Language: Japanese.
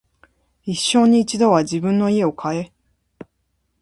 一生に一度は自分の家を買え